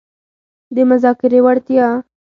-د مذاکرې وړتیا